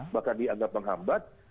bahkan dianggap menghambat